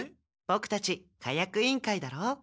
ボクたち火薬委員会だろう？